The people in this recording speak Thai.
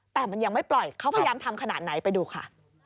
แต่มันยังไม่ปล่อยเขาพยายามทำขนาดไหนไปดูค่ะ